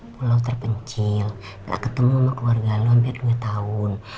pulau terpencil gak ketemu sama keluarga lo biar dua tahun